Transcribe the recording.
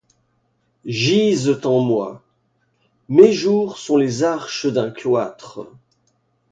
Gisent en moi ; mes jours sont les arches d’un cloître